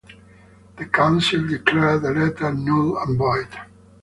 The Council declared the letters null and void.